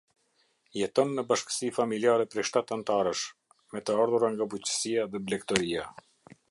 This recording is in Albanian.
Jeton në bashkësi familjare prej shtatë anëtarësh, me të ardhura nga bujqësia dhe blegtoria.